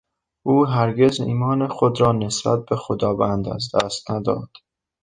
او هرگز ایمان خود را نسبت به خداوند از دست نداد.